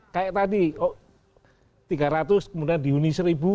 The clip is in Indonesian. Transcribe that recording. kayak tadi tiga ratus kemudian dihuni seribu